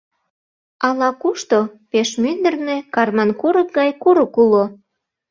Ала-кушто, пеш мӱндырнӧ, Карман курык гай курык уло.